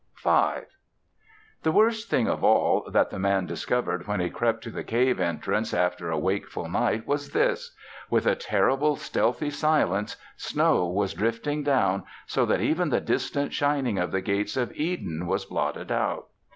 V The worst thing of all that the Man discovered when he crept to the cave entrance after a wakeful night, was this: with a terrible stealthy silence snow was drifting down so that even the distant shining of the gates of Eden was blotted out.